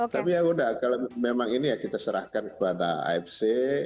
tapi ya udah kalau memang ini ya kita serahkan kepada afc